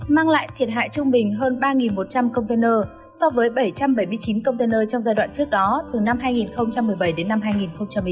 mang lại thiệt hại trung bình hơn ba một trăm linh container so với bảy trăm bảy mươi chín container trong giai đoạn trước đó từ năm hai nghìn một mươi bảy đến năm hai nghìn một mươi chín